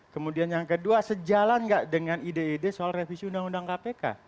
kemudian yang kedua sejalan nggak dengan ide ide soal revisi undang undang kpk